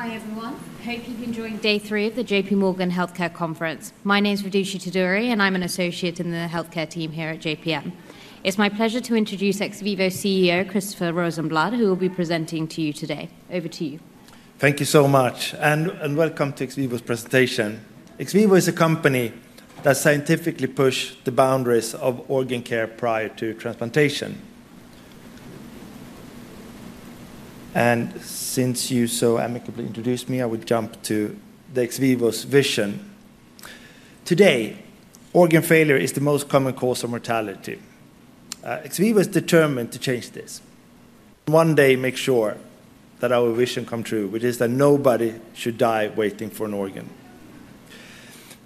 Hi everyone, hope you've been enjoying day three of the J.P. Morgan Healthcare Conference. My name is Vidhushi Taduri, and I'm an associate in the healthcare team here at JPM. It's my pleasure to introduce XVIVO's CEO, Christoffer Rosenblad, who will be presenting to you today. Over to you. Thank you so much, and welcome to XVIVO's presentation. XVIVO is a company that scientifically pushed the boundaries of organ care prior to transplantation. And since you so amicably introduced me, I would jump to the XVIVO's vision. Today, organ failure is the most common cause of mortality. XVIVO is determined to change this, and one day make sure that our vision comes true, which is that nobody should die waiting for an organ.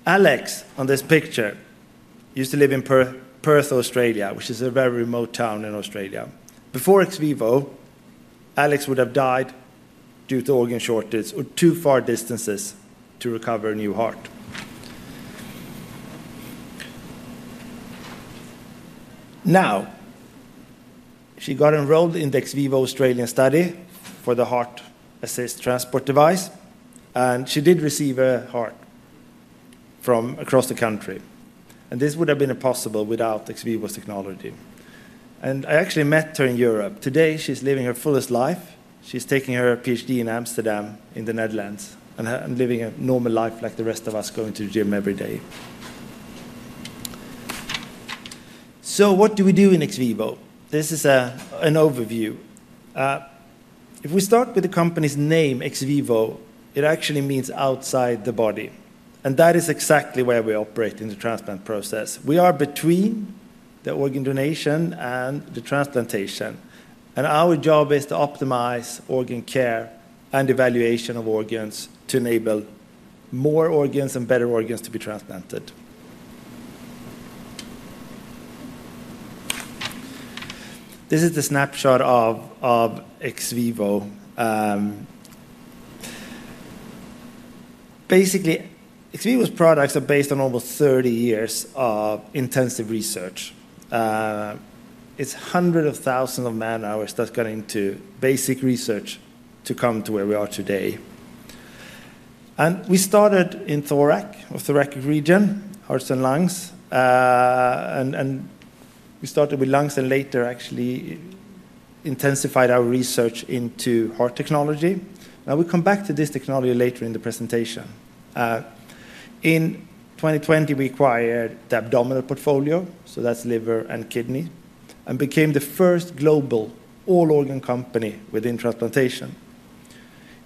Alex, on this picture, used to live in Perth, Australia, which is a very remote town in Australia. Before XVIVO, Alex would have died due to organ shortages or too far distances to recover a new heart. Now, she got enrolled in the XVIVO Australian study for the Heart Assist Transport device, and she did receive a heart from across the country. And this would have been impossible without XVIVO's technology. I actually met her in Europe. Today, she's living her fullest life. She's taking her PhD in Amsterdam, in the Netherlands, and living a normal life like the rest of us, going to the gym every day. What do we do in XVIVO? This is an overview. If we start with the company's name, XVIVO, it actually means outside the body. And that is exactly where we operate in the transplant process. We are between the organ donation and the transplantation. And our job is to optimize organ care and evaluation of organs to enable more organs and better organs to be transplanted. This is the snapshot of XVIVO. Basically, XVIVO's products are based on over 30 years of intensive research. It's hundreds of thousands of man-hours that got into basic research to come to where we are today. We started in thoracic, the thoracic region, hearts and lungs. We started with lungs, and later actually intensified our research into heart technology. Now, we'll come back to this technology later in the presentation. In 2020, we acquired the abdominal portfolio, so that's liver and kidney, and became the first global all-organ company within transplantation.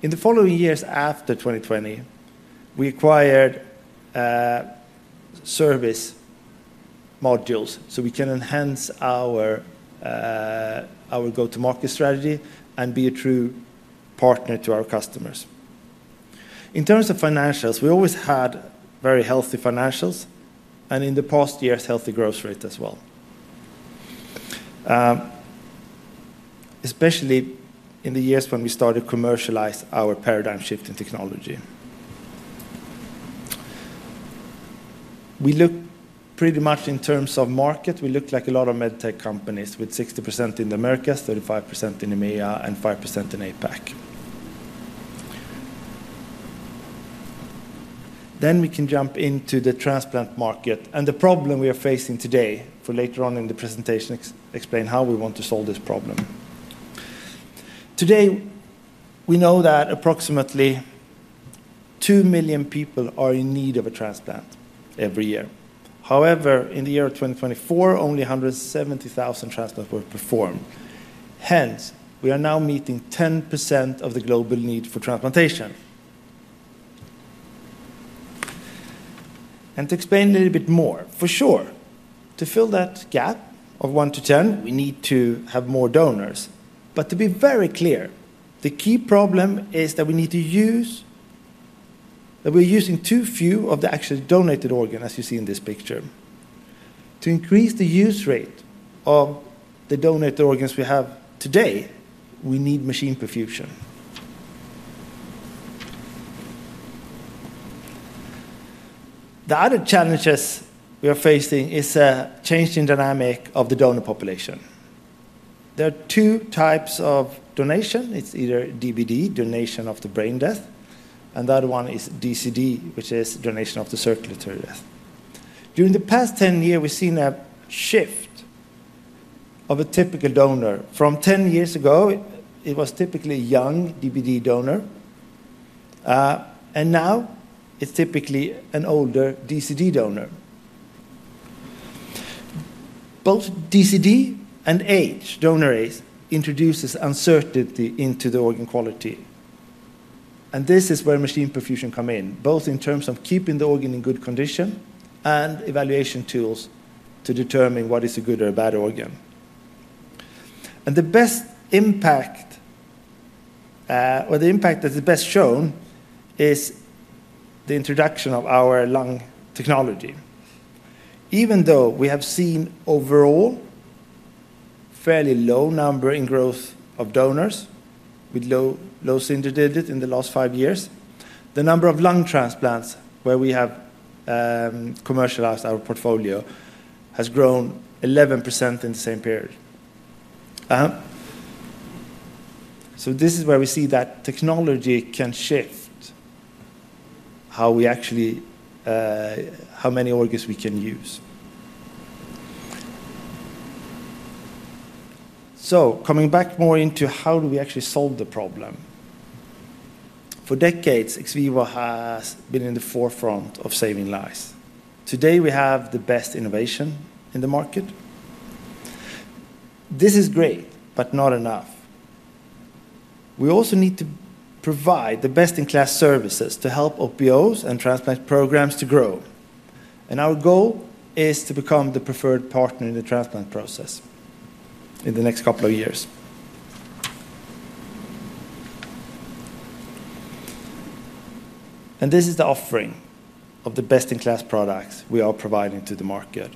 In the following years after 2020, we acquired service modules so we can enhance our go-to-market strategy and be a true partner to our customers. In terms of financials, we always had very healthy financials, and in the past years, healthy growth rates as well, especially in the years when we started to commercialize our paradigm-shifting technology. We look pretty much in terms of market. We look like a lot of medtech companies, with 60% in the Americas, 35% in EMEA, and 5% in APAC. Then we can jump into the transplant market and the problem we are facing today, for later on in the presentation, to explain how we want to solve this problem. Today, we know that approximately two million people are in need of a transplant every year. However, in the year of 2024, only 170,000 transplants were performed. Hence, we are now meeting 10% of the global need for transplantation, and to explain a little bit more, for sure, to fill that gap of one to 10, we need to have more donors, but to be very clear, the key problem is that we're using too few of the actually donated organs, as you see in this picture. To increase the use rate of the donated organs we have today, we need machine perfusion. The other challenges we are facing is a changing dynamic of the donor population. There are two types of donation. It's either DBD, donation after brain death, and the other one is DCD, which is donation after circulatory death. During the past 10 years, we've seen a shift of a typical donor. From 10 years ago, it was typically a young DBD donor, and now it's typically an older DCD donor. Both DCD and donor age introduce uncertainty into the organ quality. And this is where machine perfusion comes in, both in terms of keeping the organ in good condition and evaluation tools to determine what is a good or a bad organ. And the best impact, or the impact that is best shown, is the introduction of our lung technology. Even though we have seen overall a fairly low number in growth of donors with lungs indicated in the last five years, the number of lung transplants where we have commercialized our portfolio has grown 11% in the same period. So this is where we see that technology can shift how many organs we can use. So coming back more into how do we actually solve the problem. For decades, XVIVO has been in the forefront of saving lives. Today, we have the best innovation in the market. This is great, but not enough. We also need to provide the best-in-class services to help OPOs and transplant programs to grow. And our goal is to become the preferred partner in the transplant process in the next couple of years. And this is the offering of the best-in-class products we are providing to the market.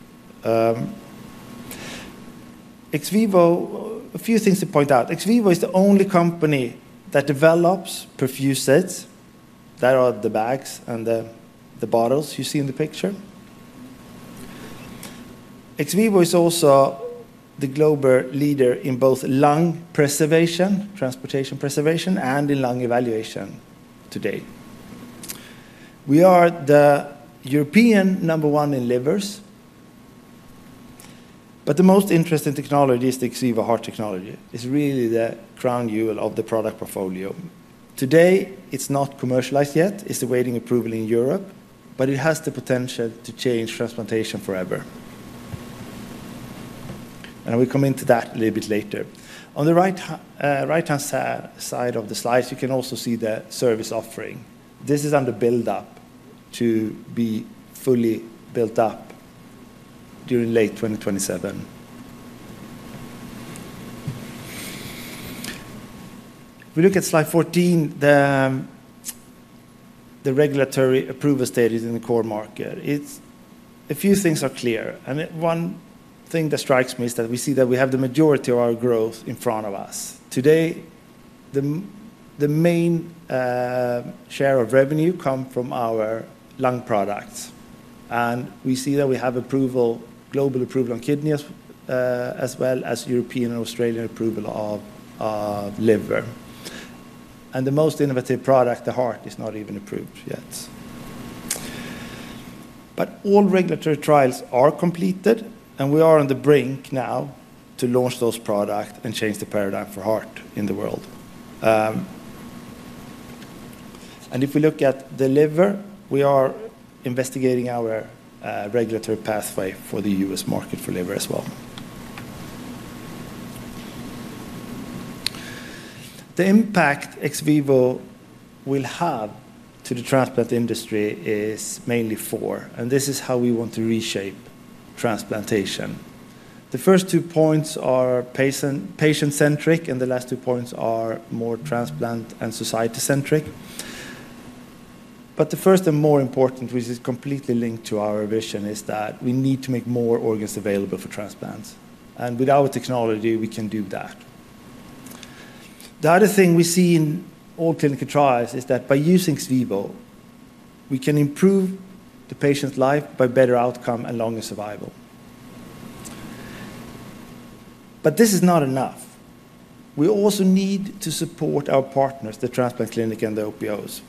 XVIVO. A few things to point out. XVIVO is the only company that develops perfusates that are the bags and the bottles you see in the picture. XVIVO is also the global leader in both lung preservation, transportation preservation, and in lung evaluation today. We are the European number one in livers, but the most interesting technology is the XVIVO heart technology. It's really the crown jewel of the product portfolio. Today, it's not commercialized yet. It's awaiting approval in Europe, but it has the potential to change transplantation forever, and we'll come into that a little bit later. On the right-hand side of the slide, you can also see the service offering. This is under build-up to be fully built up during late 2027. If we look at slide 14, the regulatory approval stage is in the core market. A few things are clear. And one thing that strikes me is that we see that we have the majority of our growth in front of us. Today, the main share of revenue comes from our lung products. And we see that we have global approval on kidneys, as well as European and Australian approval of liver. And the most innovative product, the heart, is not even approved yet. But all regulatory trials are completed, and we are on the brink now to launch those products and change the paradigm for heart in the world. And if we look at the liver, we are investigating our regulatory pathway for the U.S. market for liver as well. The impact XVIVO will have to the transplant industry is mainly four, and this is how we want to reshape transplantation. The first two points are patient-centric, and the last two points are more transplant and society-centric. But the first and more important, which is completely linked to our vision, is that we need to make more organs available for transplants. And with our technology, we can do that. The other thing we see in all clinical trials is that by using XVIVO, we can improve the patient's life by better outcome and longer survival. But this is not enough. We also need to support our partners, the transplant clinic and the OPOs.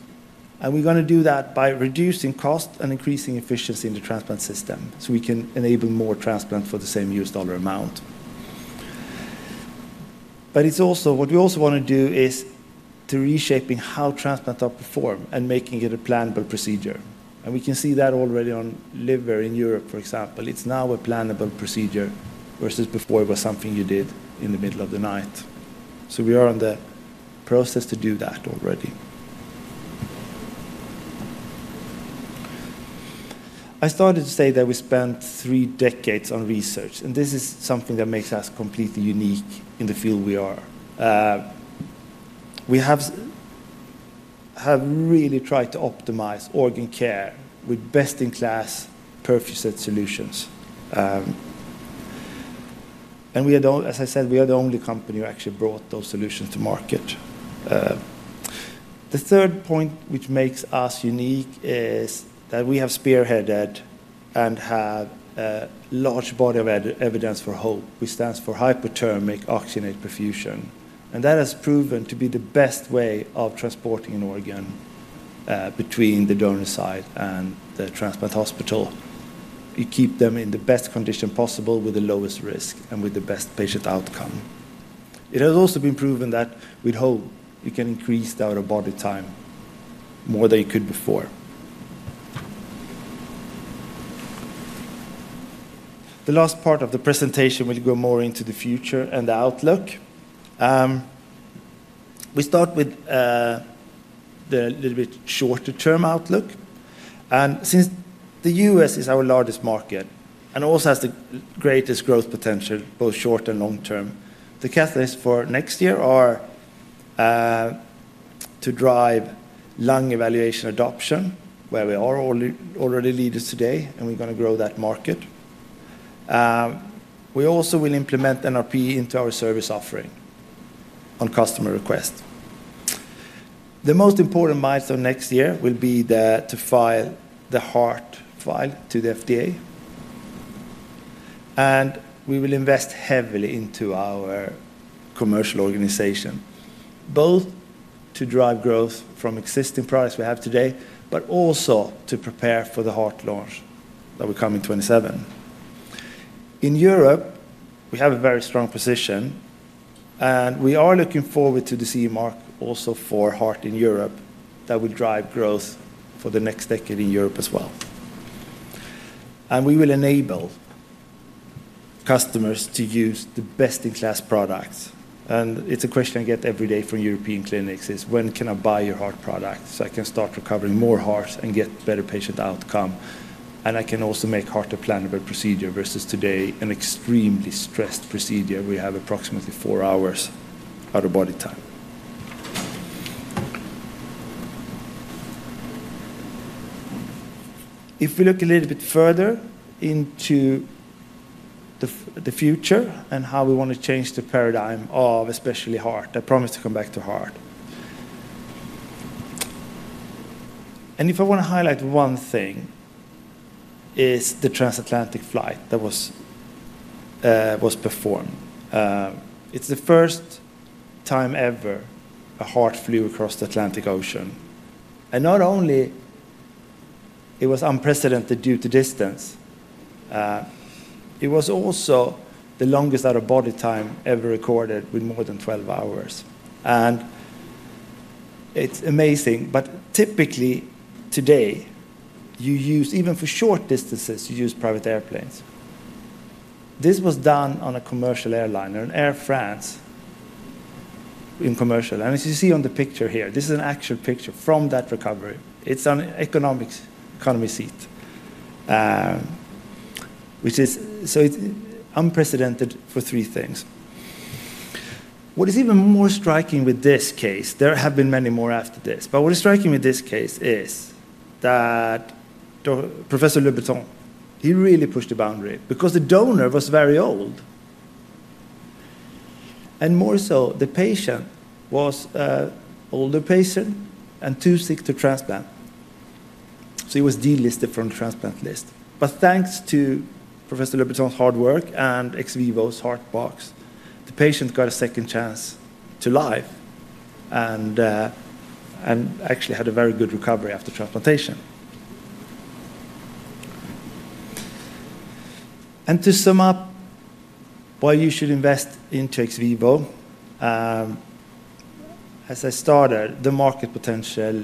And we're going to do that by reducing costs and increasing efficiency in the transplant system so we can enable more transplants for the same US dollar amount. But what we also want to do is to reshape how transplants are performed and make it a plannable procedure. And we can see that already on liver in Europe, for example. It's now a plannable procedure versus before it was something you did in the middle of the night, so we are in the process to do that already. I started to say that we spent three decades on research, and this is something that makes us completely unique in the field we are. We have really tried to optimize organ care with best-in-class perfusion solutions, and as I said, we are the only company who actually brought those solutions to market. The third point which makes us unique is that we have spearheaded and have a large body of evidence for HOPE, which stands for Hypothermic Oxygenated Perfusion, and that has proven to be the best way of transporting an organ between the donor site and the transplant hospital. You keep them in the best condition possible with the lowest risk and with the best patient outcome. It has also been proven that with HOPE, you can increase the out-of-body time more than you could before. The last part of the presentation will go more into the future and the outlook. We start with the little bit shorter-term outlook, and since the U.S. is our largest market and also has the greatest growth potential, both short and long term, the catalyst for next year is to drive lung evaluation adoption, where we are already leaders today, and we're going to grow that market. We also will implement NRP into our service offering on customer request. The most important milestone next year will be to file the heart file to the FDA, and we will invest heavily into our commercial organization, both to drive growth from existing products we have today, but also to prepare for the heart launch that will come in 2027. In Europe, we have a very strong position, and we are looking forward to the CE mark also for heart in Europe that will drive growth for the next decade in Europe as well. And we will enable customers to use the best-in-class products. And it's a question I get every day from European clinics: when can I buy your heart product so I can start recovering more hearts and get better patient outcome? And I can also make heart a plannable procedure versus today, an extremely stressed procedure where you have approximately four hours out-of-body time. If we look a little bit further into the future and how we want to change the paradigm of especially heart, I promise to come back to heart. And if I want to highlight one thing, it's the transatlantic flight that was performed. It's the first time ever a heart flew across the Atlantic Ocean. And not only was it unprecedented due to distance, it was also the longest out-of-body time ever recorded with more than 12 hours. And it's amazing. But typically today, even for short distances, you use private airplanes. This was done on a commercial airline, an Air France in commercial. And as you see on the picture here, this is an actual picture from that recovery. It's an economy seat, which is unprecedented for three things. What is even more striking with this case, there have been many more after this, but what is striking with this case is that Professor Lebreton, he really pushed the boundary because the donor was very old. And more so, the patient was an older patient and too sick to transplant. So he was delisted from the transplant list. But thanks to Professor Lebreton's hard work and XVIVO's Heart Box, the patient got a second chance to live and actually had a very good recovery after transplantation. And to sum up why you should invest into XVIVO, as I started, the market potential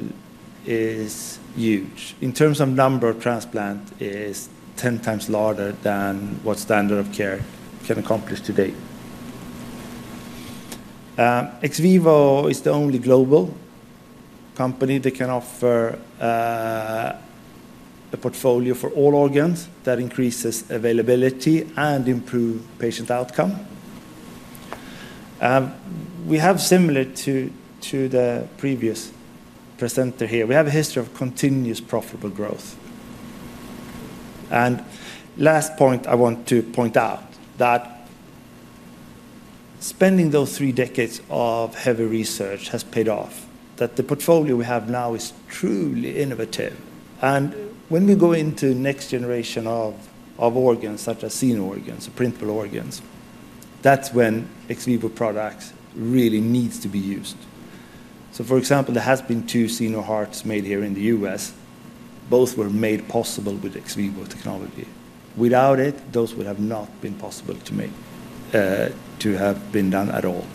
is huge. In terms of number of transplants, it is 10 times larger than what standard of care can accomplish today. XVIVO is the only global company that can offer a portfolio for all organs that increases availability and improves patient outcome. We have, similar to the previous presenter here, we have a history of continuous profitable growth. And last point I want to point out that spending those three decades of heavy research has paid off, that the portfolio we have now is truly innovative. And when we go into the next generation of organs, such as xeno organs or printable organs, that's when XVIVO products really need to be used. So for example, there have been two xeno hearts made here in the U.S. Both were made possible with XVIVO technology. Without it, those would have not been possible to have been done at all.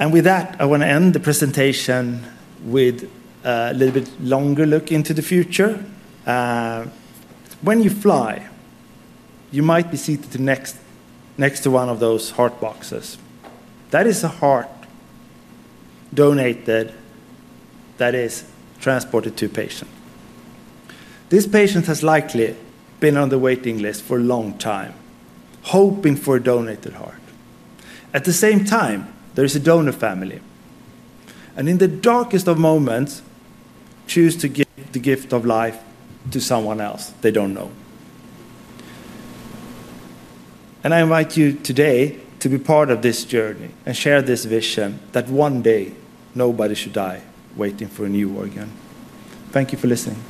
And with that, I want to end the presentation with a little bit longer look into the future. When you fly, you might be seated next to one of those heart boxes. That is a heart donated that is transported to a patient. This patient has likely been on the waiting list for a long time, hoping for a donated heart. At the same time, there is a donor family. And in the darkest of moments, choose to give the gift of life to someone else they don't know. I invite you today to be part of this journey and share this vision that one day, nobody should die waiting for a new organ. Thank you for listening.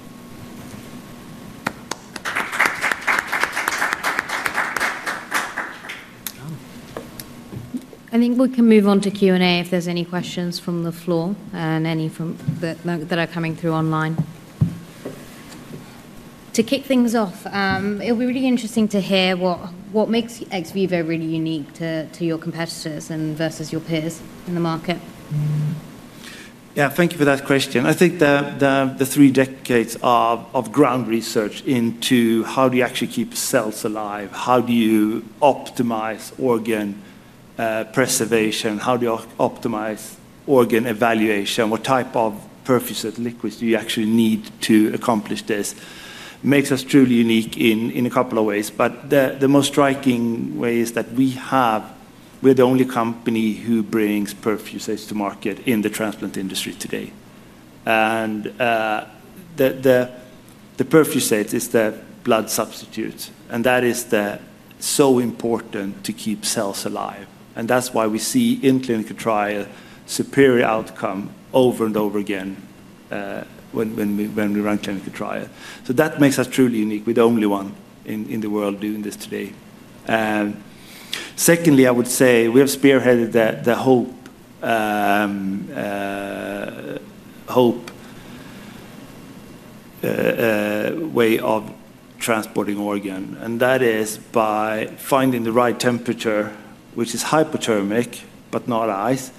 I think we can move on to Q&A if there's any questions from the floor and any that are coming through online. To kick things off, it'll be really interesting to hear what makes XVIVO really unique to your competitors versus your peers in the market. Yeah, thank you for that question. I think the three decades of ground research into how do you actually keep cells alive, how do you optimize organ preservation, how do you optimize organ evaluation, what type of perfusion liquids do you actually need to accomplish this, makes us truly unique in a couple of ways. But the most striking way is that we're the only company who brings perfusates to market in the transplant industry today. And the perfusate is the blood substitute, and that is so important to keep cells alive. And that's why we see in clinical trial superior outcome over and over again when we run clinical trial. So that makes us truly unique. We're the only one in the world doing this today. Secondly, I would say we have spearheaded the HOPE way of transporting organ, and that is by finding the right temperature, which is hypothermic, but not ice,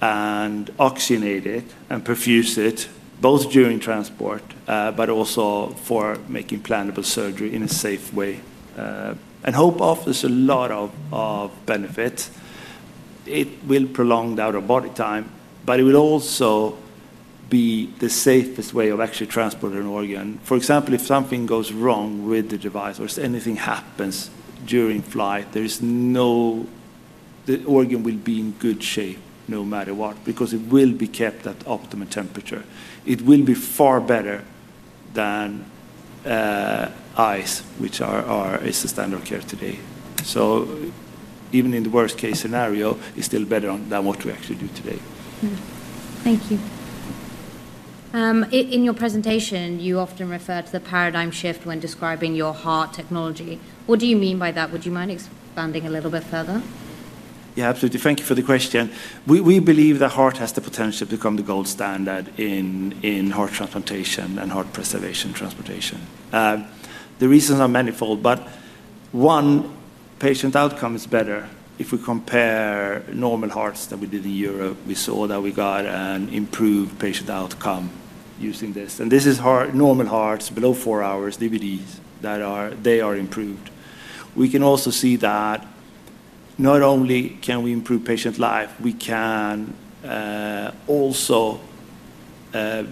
and oxygenate it and perfuse it both during transport, but also for making plannable surgery in a safe way, and HOPE offers a lot of benefits. It will prolong the out-of-body time, but it will also be the safest way of actually transporting an organ. For example, if something goes wrong with the device or if anything happens during flight, the organ will be in good shape no matter what because it will be kept at optimal temperature. It will be far better than ice, which is the standard of care today, so even in the worst-case scenario, it's still better than what we actually do today. Thank you. In your presentation, you often refer to the paradigm shift when describing your heart technology. What do you mean by that? Would you mind expanding a little bit further? Yeah, absolutely. Thank you for the question. We believe the heart has the potential to become the gold standard in heart transplantation and heart preservation transplantation. The reasons are manifold, but one patient outcome is better. If we compare normal hearts that we did in Europe, we saw that we got an improved patient outcome using this. And this is normal hearts below four hours, DBDs, that they are improved. We can also see that not only can we improve patient life, we can also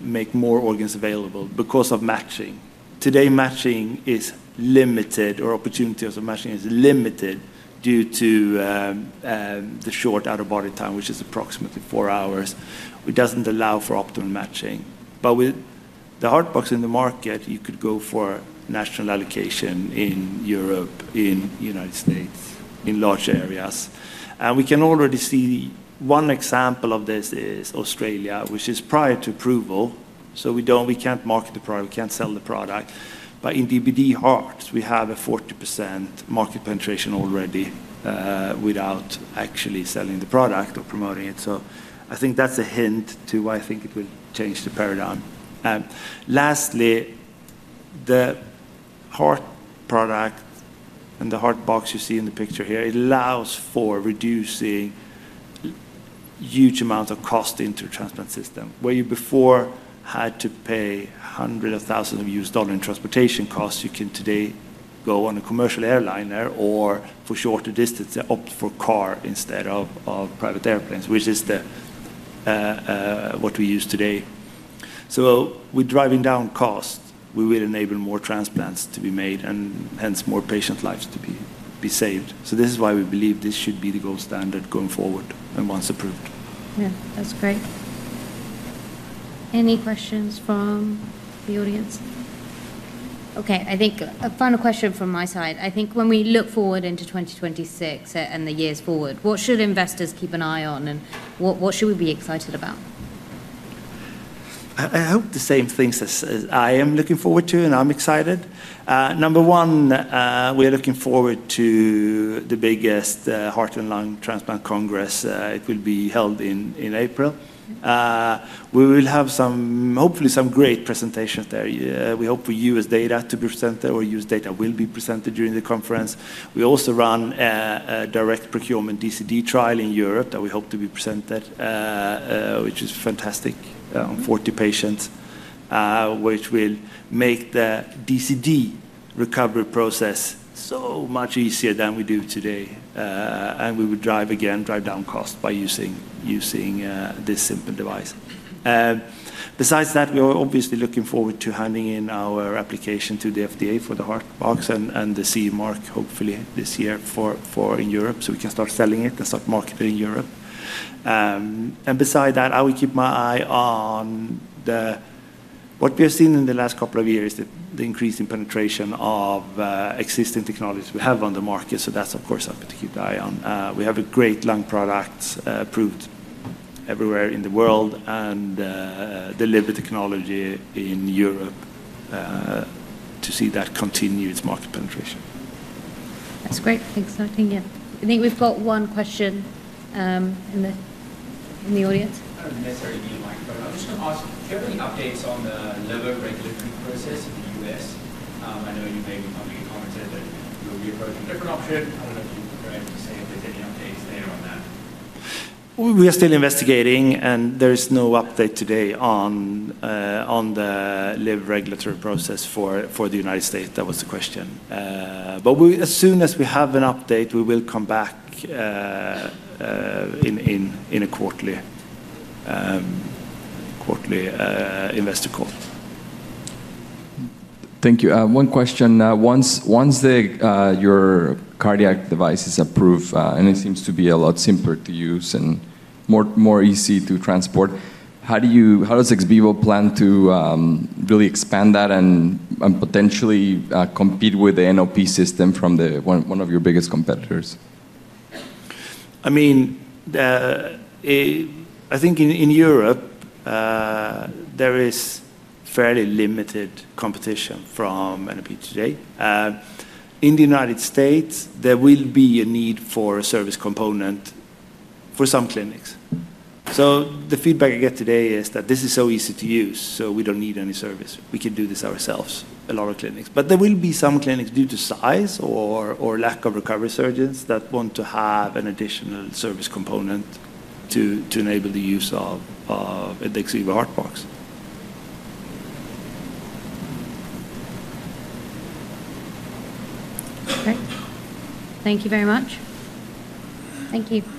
make more organs available because of matching. Today, matching is limited, or opportunity of matching is limited due to the short out-of-body time, which is approximately four hours, which doesn't allow for optimal matching. But with the heart box in the market, you could go for national allocation in Europe, in the United States, in large areas. We can already see one example of this is Australia, which is prior to approval. So we can't market the product. We can't sell the product. But in DBD hearts, we have a 40% market penetration already without actually selling the product or promoting it. So I think that's a hint to why I think it will change the paradigm. Lastly, the heart product and the heart box you see in the picture here, it allows for reducing huge amounts of cost into the transplant system. Where you before had to pay hundreds of thousands of USD in transportation costs, you can today go on a commercial airliner or for shorter distances, opt for car instead of private airplanes, which is what we use today. So with driving down costs, we will enable more transplants to be made and hence more patient lives to be saved. So this is why we believe this should be the gold standard going forward and once approved. Yeah, that's great. Any questions from the audience? Okay, I think a final question from my side. I think when we look forward into 2026 and the years forward, what should investors keep an eye on, and what should we be excited about? I hope the same things as I am looking forward to, and I'm excited. Number one, we are looking forward to the biggest heart and lung transplant congress. It will be held in April. We will have hopefully some great presentations there. We hope for U.S. data to be presented, or U.S. data will be presented during the conference. We also run a direct procurement DCD trial in Europe that we hope to be presented, which is fantastic on 40 patients, which will make the DCD recovery process so much easier than we do today, and we will drive again, drive down costs by using this simple device. Besides that, we are obviously looking forward to handing in our application to the FDA for the heart box and the CE mark hopefully this year in Europe so we can start selling it and start marketing in Europe. Besides that, I will keep an eye on what we have seen in the last couple of years, the increasing penetration of existing technologies we have on the market. That's, of course, something to keep an eye on. We have a great lung product approved everywhere in the world and liver technology in Europe to see that continue its market penetration. That's great. Thanks for nodding yet. I think we've got one question in the audience. I don't necessarily need a microphone. I was just going to ask, do you have any updates on the liver regulatory process in the U.S.? I know you maybe commented that you'll be approaching a different option. I don't know if you're able to say if there's any updates there on that. We are still investigating, and there is no update today on the regulatory process for the United States. That was the question, but as soon as we have an update, we will come back in a quarterly investor call. Thank you. One question. Once your cardiac device is approved and it seems to be a lot simpler to use and more easy to transport, how does XVIVO plan to really expand that and potentially compete with the NMP system from one of your biggest competitors? I mean, I think in Europe, there is fairly limited competition from NMP today. In the United States, there will be a need for a service component for some clinics. So the feedback I get today is that this is so easy to use, so we don't need any service. We can do this ourselves, a lot of clinics. But there will be some clinics due to size or lack of recovery surgeons that want to have an additional service component to enable the use of the XVIVO Heart Box. Okay. Thank you very much. Thank you. Thank you.